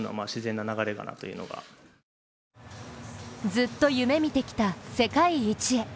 ずっと夢みてきた世界一へ。